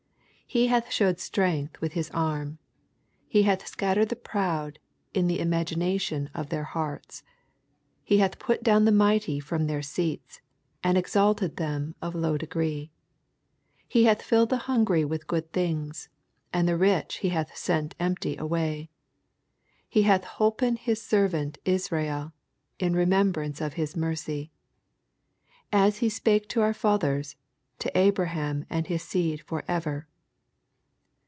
51 He hath shewed strength with his arm ; he hath scattered the prond in the imagiDation of their hearts. 52 He luith put down the mighty from their seats, and exalted them of low degree. 58 He hath filled the hungry irith good things; and the rich ne hath sent empty away. 54 He hath holpen his servant Is rael, in remembrance of hit mercy ; 55 As he spake to our fathers, to Abraham, ana to his seed for ever.